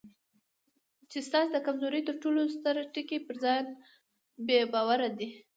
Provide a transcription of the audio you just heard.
چې ستاسې د کمزورۍ تر ټولو ستر ټکی پر ځان بې باوري ده.